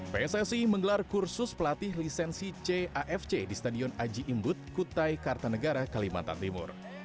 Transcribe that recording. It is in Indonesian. pssi menggelar kursus pelatih lisensi cafc di stadion aji imbut kutai kartanegara kalimantan timur